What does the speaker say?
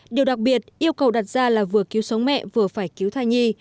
điều đặc biệt yêu cầu đặt ra là vừa cứu sống mẹ vừa phải cứu thai nhi